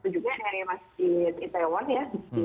tujuan dari masjid itaewon ya